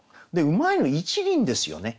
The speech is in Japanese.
うまいの「一輪」ですよね。